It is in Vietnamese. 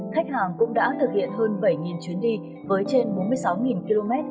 khách hàng cũng đã thực hiện hơn bảy chuyến đi với trên bốn mươi sáu km